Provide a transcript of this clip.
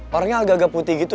warnanya agak agak putih gitu